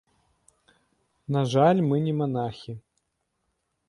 На жаль, мы не манахі.